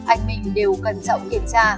anh minh đều cẩn trọng kiểm tra